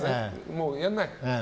もうやらない。